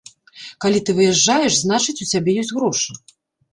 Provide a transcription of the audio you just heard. Калі ты выязджаеш, значыць, у цябе ёсць грошы.